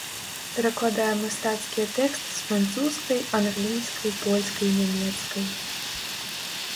Перакладае мастацкія тэксты з французскай, англійскай, польскай і нямецкай.